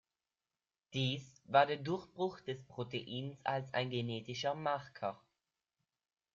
Dies war der Durchbruch des Proteins als ein genetischer Marker.